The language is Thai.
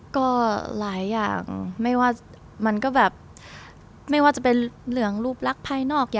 ก็หลายอย่างไม่ว่าจะเป็นเหลืองรูปรักภายนอก